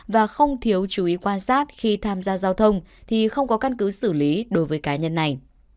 và không thiếu chú ý quan sát khi tham gia giao thông thì không có căn cứ xử lý đối với cá nhân này